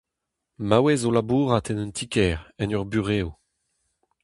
Maouez o labourat en un ti-kêr, en ur burev.